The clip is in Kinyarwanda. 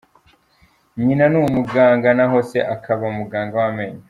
Nyina ni umuganga naho se akaba muganga w’amenyo.